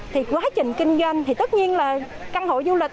thì quá trình kinh doanh thì tất nhiên là căn hộ du lịch